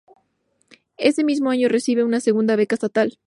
Ese mismo año recibe su segunda beca estatal.